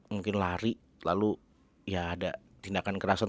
mungkin lari lalu ya ada tindakan kerasan